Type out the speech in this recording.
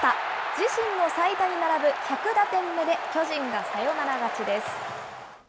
自身の最多に並ぶ１００打点目で巨人がサヨナラ勝ちです。